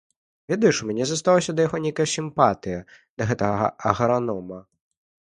Ведаеш, у мяне засталася да яго нейкая сімпатыя, да гэтага агранома.